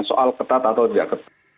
soal ketat atau tidak ketat